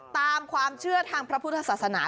ตามความเชื่อทางพระพุทธศาสนา